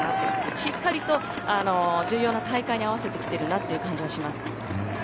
しっかりと重要な大会に合わせてきてるなという感じはします。